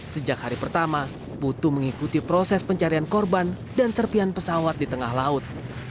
sejak hari pertama putu mengikuti proses pencarian korban dan serpian pesawat di tengah laut